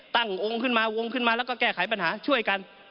องค์ขึ้นมาวงขึ้นมาแล้วก็แก้ไขปัญหาช่วยกัน